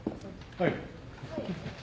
はい。